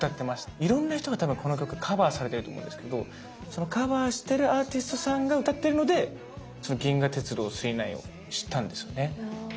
いろんな人が多分この曲カバーされてると思うんですけどそのカバーしてるアーティストさんが歌ってるのでその「銀河鉄道９９９」を知ったんですよね。